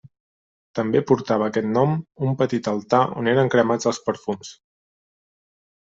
També portava aquest nom un petit altar on eren cremats els perfums.